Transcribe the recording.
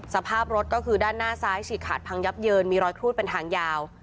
สภาพรถก็คือด้านหน้าซ้ายฉีกขาดพังยับเยินมีรอยครูดเป็นทางยาว